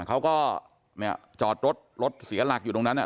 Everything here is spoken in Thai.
เขาก็จอดรถเสียหลักอยู่ตรงนั้นเนี่ย